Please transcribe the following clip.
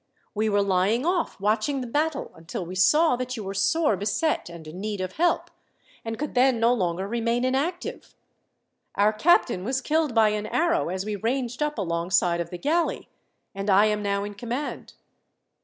We were lying off, watching the battle, until we saw that you were sore beset and in need of help, and could then no longer remain inactive. Our captain was killed by an arrow as we ranged up alongside of the galley, and I am now in command.